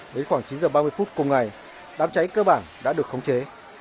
đến khoảng chín h ba mươi phút cùng ngày đám cháy cơ bản đã được khống chế